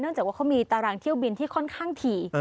จากว่าเขามีตารางเที่ยวบินที่ค่อนข้างถี่